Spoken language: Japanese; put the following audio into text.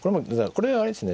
これはあれですね